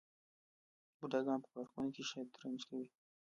بوډاګان په پارکونو کې شطرنج کوي.